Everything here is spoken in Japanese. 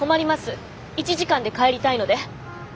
１時間で帰りたいので。